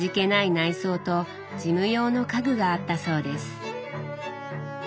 内装と事務用の家具があったそうです。